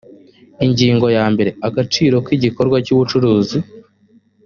ingingo ya mbere agaciro k igikorwa cy ubucuruzi